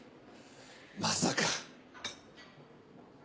まさか。